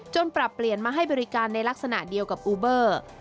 ปรับเปลี่ยนมาให้บริการในลักษณะเดียวกับอูเบอร์